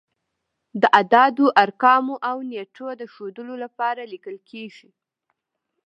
د اعدادو، ارقامو او نېټو د ښودلو لپاره لیکل کیږي.